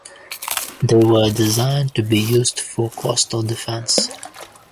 They were designed to be used for coastal defense.